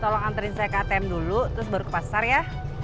tolong anterin saya ke atm dulu terus baru ke pasar ya